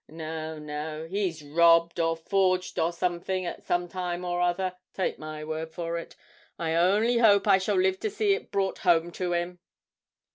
No, no, he's robbed, or forged, or something, at some time or other, take my word for it and I only hope I shall live to see it brought home to him!'